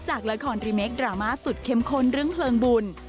จากละครรีเมคดราม่าสุดเข้มข้นเรื่องเพลิงบุญ